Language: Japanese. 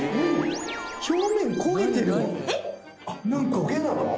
焦げなの？